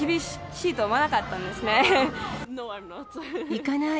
行かない。